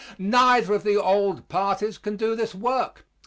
Neither of the old parties can do this work.